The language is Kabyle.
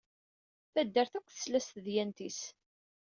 Taddart akk tesla s tedyant-is.